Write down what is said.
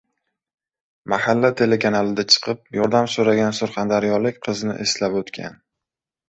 "Mahalla" telekanalida chiqib, yordam so‘ragan surxondaryolik qizni eslab o‘tgan.